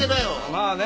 まあね